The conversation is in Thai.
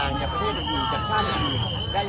ก็ไม่เหลือว่านักเรียนบ้างเลยค่ะ